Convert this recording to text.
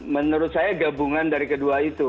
menurut saya gabungan dari kedua itu